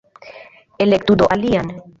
Elektu do alian!